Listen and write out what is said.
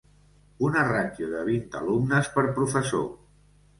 Una ràtio de vint alumnes per professor.